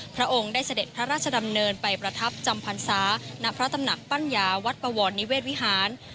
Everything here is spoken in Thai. พระองค์ได้เสด็จพระราชดำเนินไปประทับจำพรรษาณพระตำหนักปัญญาวัดปวรนิเวศวิหาร